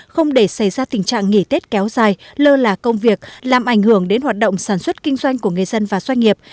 không để xảy ra tình trạng nghỉ tết kéo dài lơ là công việc làm ảnh hưởng đến hoạt động sản xuất kinh doanh của người dân và doanh nghiệp